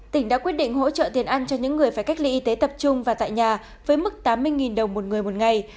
tỉnh đã quyết định hỗ trợ tiền ăn cho những người phải cách ly y tế tập trung và tại nhà với mức tám mươi đồng một người một ngày